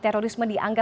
negara yang kerja